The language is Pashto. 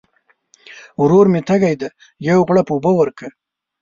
ورور مي تږی دی ، یو غوړپ اوبه ورکړه !